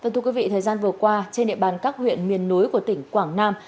thưa quý vị thời gian vừa qua trên địa bàn các huyện miền núi của tỉnh quảng nam